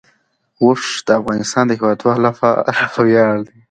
اوښ د افغانستان د هیوادوالو لپاره ویاړ دی.